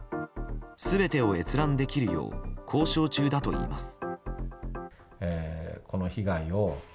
全てを閲覧できるよう交渉中だといいます。